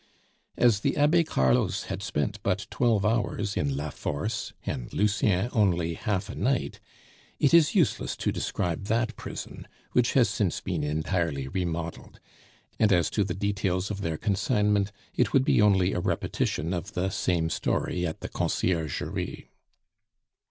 As the Abbe Carlos had spent but twelve hours in La Force, and Lucien only half a night, it is useless to describe that prison, which has since been entirely remodeled; and as to the details of their consignment, it would be only a repetition of the same story at the Conciergerie.